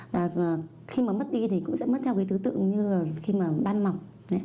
và khi mà mất đi thì cũng sẽ mất theo cái thứ tự như là khi mà ban mọc